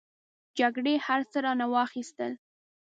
جګړې هر څه رانه واخستل.